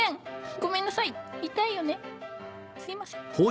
ごめんなさい痛いよねすいません。